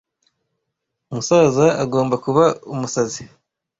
musaza agomba kuba umusazi.